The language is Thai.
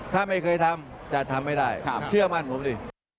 ถ้าไม่เคยทำจะทำไม่ได้เชื่อมั่นผมดิ